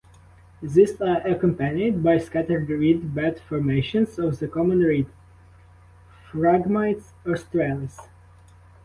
These are accompanied by scattered reed bed formations of the common reed ("Phragmites australis").